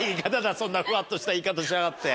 そんなフワッとした言い方しやがって！